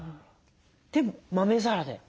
で豆皿で。